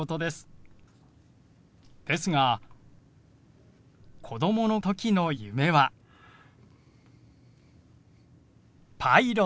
ですが子どもの時の夢はパイロット。